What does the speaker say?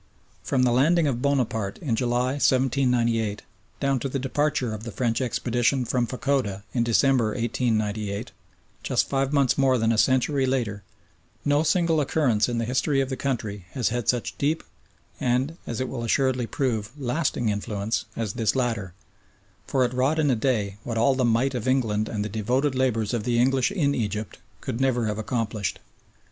From the landing of Bonaparte in July, 1798, down to the departure of the French expedition from Fachoda in December, 1898, just five months more than a century later, no single occurrence in the history of the country has had such deep and, as it will assuredly prove, lasting influence as this latter, for it wrought in a day what all the might of England and the devoted labours of the English in Egypt could never have accomplished.